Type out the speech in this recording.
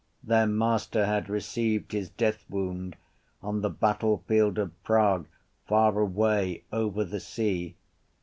Their master had received his deathwound on the battlefield of Prague far away over the sea.